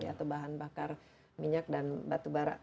atau bahan bakar minyak dan batu bara